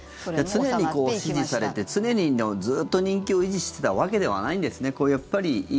常に支持されて常に、ずっと人気を維持してたわけではないんですね